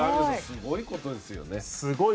すごいことですね。